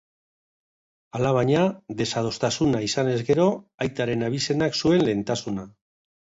Alabaina, desadostasuna izanez gero, aitaren abizenak zuen lehentasuna.